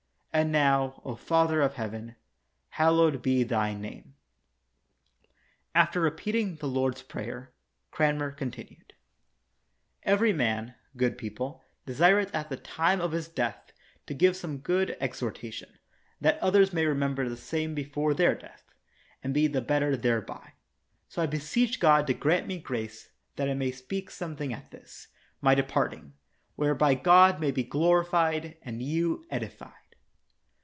And now, O Father of Heaven, hallowed be Thy name. [After repeating the Lord's Prayer, Cranmer continued.] Every man, good people, desireth at the time of his death to give some good exhorta tion, that others may remember the same before their death, and be the better thereby; so I be seech God grant me grace that I may speak some thing at this, my departing, whereby God may be glorified and you edified.